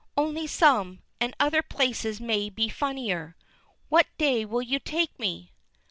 "Only some. And other places may be funnier. What day will you take me?"